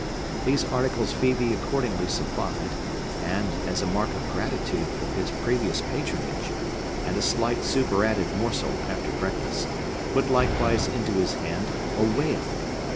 These articles Phœbe accordingly supplied, and, as a mark of gratitude for his previous patronage, and a slight super added morsel after breakfast, put likewise into his hand a whale!